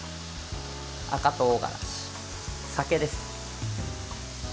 赤とうがらし、酒です。